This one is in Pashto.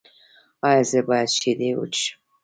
ایا زه باید شیدې وڅښم؟